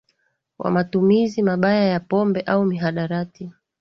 wa matumizi mabaya ya pombe au mihadarati